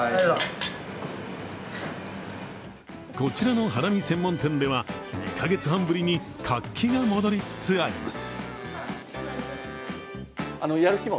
こちらのハラミ専門店では、２カ月半ぶりに活気が戻りつつあります。